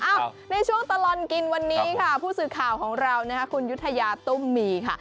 ในช่วงตลอดกินวันนี้ค่ะผู้สื่อข่าวของเรานะคะคุณยุธยาตุ้มมีค่ะ